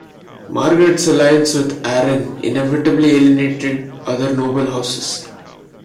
Margaret's alliance with Arran inevitably alienated other noble houses.